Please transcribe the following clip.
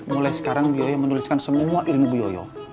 mulai sekarang bu yoyo menuliskan semua ilmu bu yoyo